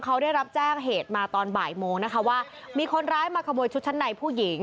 เขาได้รับแจ้งเหตุมาตอนบ่ายโมงนะคะว่ามีคนร้ายมาขโมยชุดชั้นในผู้หญิง